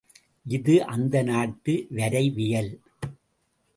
இது அந்த நாட்டு வரைவியல்.